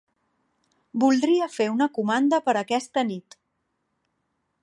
Voldria fer una comanda per aquesta nit.